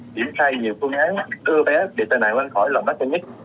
diễn thay nhiều phương án ưa bé để tài nạn hoang khỏi lòng đất trên mít